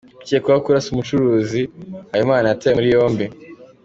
Ukekwaho kurasa umucucuruzi Habimana yatawe muri yombi